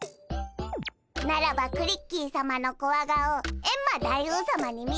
ならばクリッキーさまのコワ顔エンマ大王さまに見せてやるぞ！